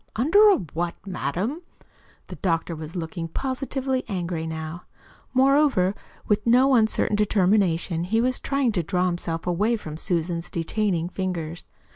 "Under a what, madam?" The doctor was looking positively angry now. Moreover, with no uncertain determination, he was trying to draw himself away from Susan's detaining fingers.